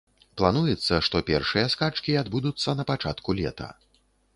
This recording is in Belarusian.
Плануецца, што першыя скачкі адбудуцца на пачатку лета.